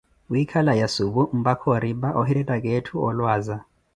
wiikhala ya supu mpaka oripa ohirettaka etthu olwaaza.